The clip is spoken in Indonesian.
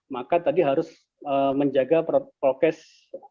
maka tadi harus menjaga prokes